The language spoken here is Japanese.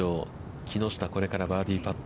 木下、これからバーディーパット。